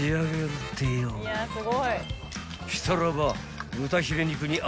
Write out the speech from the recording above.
［したらば］